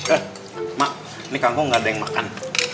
eh mak nih kakak nggak ada yang makan